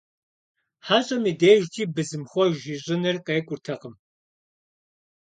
ХьэщӀэм и дежкӀи бысымхъуэж ищӀыныр къекӀуртэкъым.